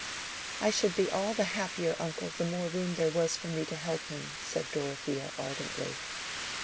"I should be all the happier, uncle, the more room there was for me to help him," said Dorothea, ardently.